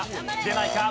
出ないか？